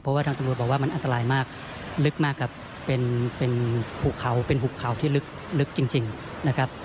เพราะว่าทางตำรวจบอกว่ามันอันตรายมากลึกมากครับเป็นภูเขาเป็นหุบเขาที่ลึกจริงนะครับ